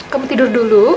kamu tidur dulu